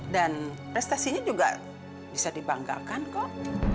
dan prestasinya juga bisa dibanggakan kok